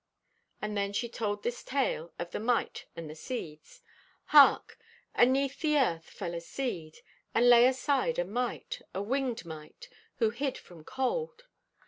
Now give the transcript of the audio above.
And then she told this tale of the Mite and the Seeds: "Hark! Aneath the earth fell a seed, and lay aside a Mite, a winged mite, who hid from cold.